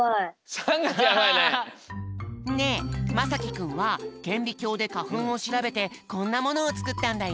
ねえまさきくんはけんびきょうでかふんをしらべてこんなものをつくったんだよ！